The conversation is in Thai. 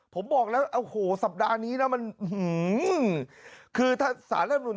ผมบอกแล้วโอ้โหสัปดาห์นี้นะมันหือคือถ้าสารรัฐมนุน